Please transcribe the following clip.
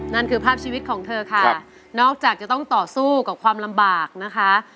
นั่นคือภาพชีวิตของเธอค่ะนอกจากจะต้องต่อสู้กับความลำบากนะคะ